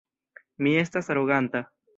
Mi estas aroganta.